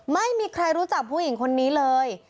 ไม่มีใครรู้จักผู้หญิงคนนี้เลย